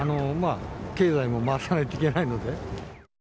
経済も回さないといけないので。